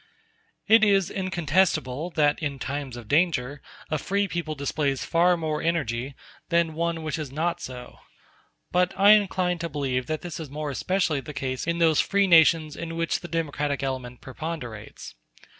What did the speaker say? It is incontestable that in times of danger a free people displays far more energy than one which is not so. But I incline to believe that this is more especially the case in those free nations in which the democratic element preponderates.